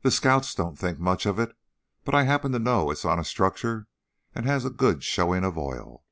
"The scouts don't think much of it, but I happen to know it is on a structure and has a good showing of oil.